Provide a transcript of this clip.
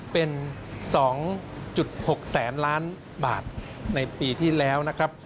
เป็น๒๖แสนล้านบาทในปีที่แล้วนะครับ